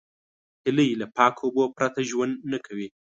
هیلۍ له پاکو اوبو پرته ژوند نه کوي